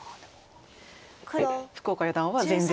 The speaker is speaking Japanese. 福岡四段は全然。